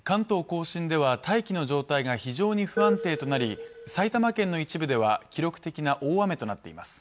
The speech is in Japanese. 甲信では大気の状態が非常に不安定となり埼玉県の一部では記録的な大雨となっています